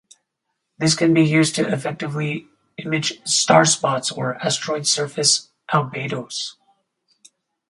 This can be used to effectively image starspots or asteroid surface albedos.